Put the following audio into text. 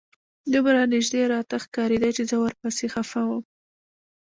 دومره نژدې راته ښکارېده چې زه ورپسې خپه وم.